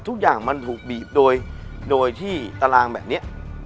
ทุกอย่างมันถูกบีบโดยที่ตารางแบบนี้